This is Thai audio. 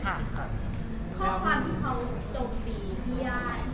ข้อความที่เขาจมตีพี่ย่าน